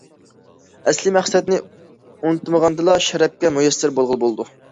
ئەسلىي مەقسەتنى ئۇنتۇمىغاندىلا، شەرەپكە مۇيەسسەر بولغىلى بولىدۇ.